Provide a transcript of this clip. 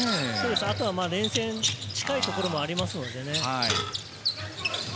あとは連戦、近いところもありますからね。